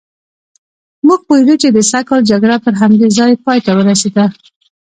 موږ پوهېدو چې د سږ کال جګړه پر همدې ځای پایته ورسېده.